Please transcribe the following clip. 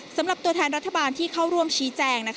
สำหรับตัวแทนรัฐบาลที่เข้าร่วมชี้แจง